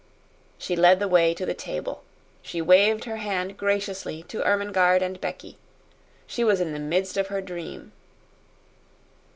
She led the way to the table. She waved her hand graciously to Ermengarde and Becky. She was in the midst of her dream.